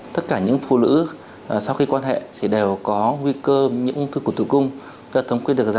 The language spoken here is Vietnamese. tất cả những phụ nữ sau khi quan hệ thì đều có nguy cơ những ung thư cổ tử cung